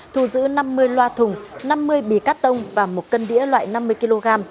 thu giữ năm mươi loa thùng năm mươi bì cắt tông và một cân đĩa loại năm mươi kg